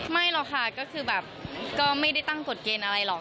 ไม่หรอกค่ะก็คือแบบก็ไม่ได้ตั้งกฎเกณฑ์อะไรหรอก